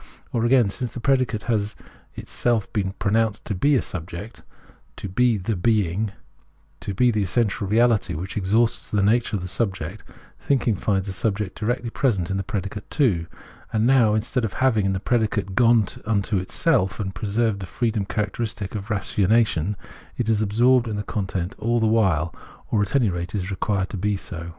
Or again, since the predicate has itself been pronounced to be a subject, to be the being, to be the essential reality, which exhausts the nature of the sub ject, thinking finds the subject directly present in the predicate too : and now, instead of having, in the predicate, gone into itself, and preserved the freedom characteristic of ratiocination, it is absorbed in the content all the while, or, at any rate, is required to be so.